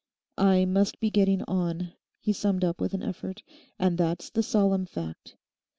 'I must be getting on,' he summed up with an effort, 'and that's the solemn fact.